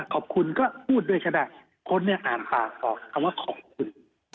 ขอบคุณก็พูดด้วยคนนี่อ่านหัสต่อคำว่าขอบคุณ